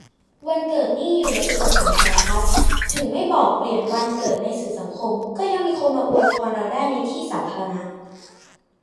วันเกิดนี่อยู่ในเอกสารสารพัด ถึงไม่บอก-เปลี่ยนวันเกิดในสื่อสังคม ก็ยังมีคนมาอวยพรเราได้ในที่สาธารณะ